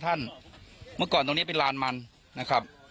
ท่านพรุ่งนี้ไม่แน่ครับ